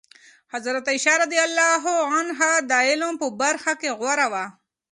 حضرت عایشه رضي الله عنها د علم په برخه کې غوره وه.